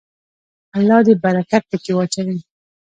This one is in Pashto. الله دې برکت پکې واچوي.